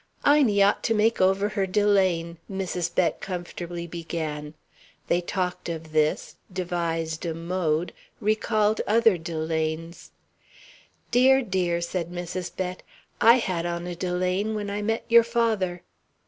"Inie ought to make over her delaine," Mrs. Bett comfortably began. They talked of this, devised a mode, recalled other delaines. "Dear, dear," said Mrs. Bett, "I had on a delaine when I met your father."